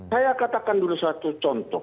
saya katakan dulu satu contoh